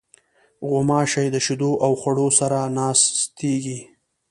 غوماشې د شیدو او خوړو سره ناستېږي.